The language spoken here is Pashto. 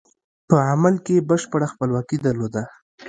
په عمل کې یې بشپړه خپلواکي درلوده.